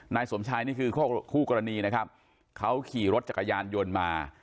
นายสมชายนี่คือคู่กรณีนะครับเขาขี่รถจักรยานยนต์มา